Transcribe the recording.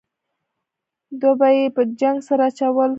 دوه به یې په جنګ سره اچول.